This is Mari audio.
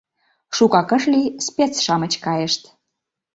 Шукак ыш лий, спец-шамыч кайышт.